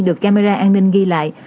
được camera an ninh ghi lại